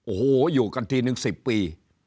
โอ้โหอยู่กันทีหนึ่งสิบปี